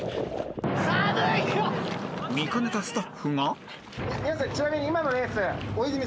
［見かねたスタッフが］